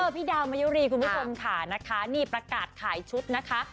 พี่ดาวน์มายุรีพี่วุทธค่ะนี่ประกาศขายชุดนะคะ